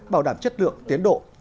bảo đảm chất lượng tiến độ